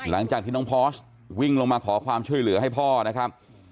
หลังจากที่น้องพอสวิ่งลงมาขอความช่วยเหลือให้พ่อนะครับ